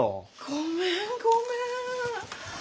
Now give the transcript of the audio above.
ごめんごめん。